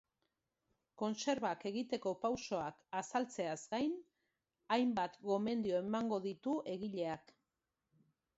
Kontserbak egiteko pausoak azaltzeaz gain, hainbat gomendio emango ditu egileak.